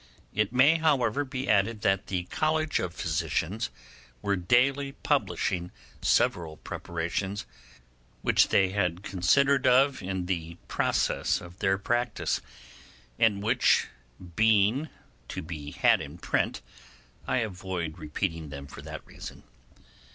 It may, however, be added, that the College of Physicians were daily publishing several preparations, which they had considered of in the process of their practice, and which, being to be had in print, I avoid repeating them for that reason.